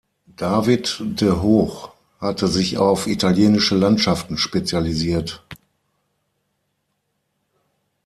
David de Hooch hatte sich auf italienische Landschaften spezialisiert.